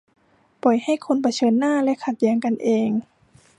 ปล่อยให้คนเผชิญหน้าและขัดแย้งกันเอง